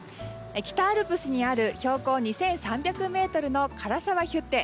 北アルプスにある標高２３００ｍの涸沢ヒュッテ。